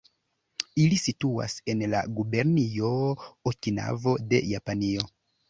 Ili situas en la gubernio Okinavo de Japanio.